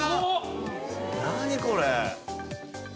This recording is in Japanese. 何これ。